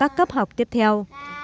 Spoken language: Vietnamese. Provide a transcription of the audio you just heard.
các cấp học tiếp theo